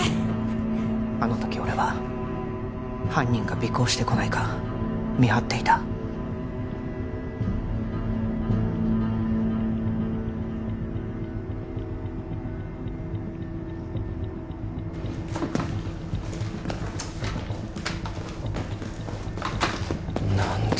あの時俺は犯人が尾行してこないか見張っていた何で